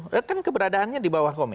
ya kan keberadaannya di bawah koman